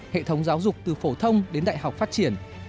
hệ thống giáo dục từ phổ thông đến đại học phát triển